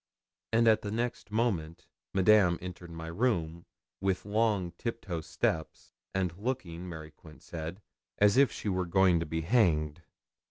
And the next moment Madame entered my room, with long tiptoe steps, and looking, Mary Quince said, as if she were going to be hanged.